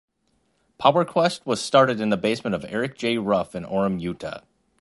PowerQuest was started in the basement of Eric J. Ruff in Orem, Utah.